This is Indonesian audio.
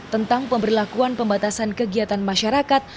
tentang pemberlakuan pembatasan kegiatan masyarakat